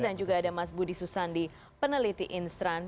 dan juga ada mas budi susandi peneliti instran